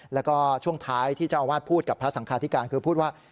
แล้วก็ช่วงท้ายที่เจ้าอาวาสพูดกับพระสังคาธิการคือพูดว่า